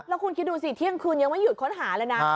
แล้วคุณคิดดูสิเที่ยงคืนยังไม่หยุดค้นหาเลยนะ